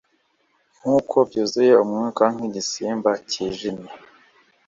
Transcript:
Nkuko byuzuye umwuka nkigisimba kijimye